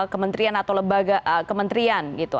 kementerian atau lembaga kementerian gitu